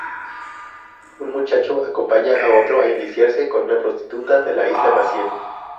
Un muchacho acompaña a otro a iniciarse con una prostituta de la Isla Maciel.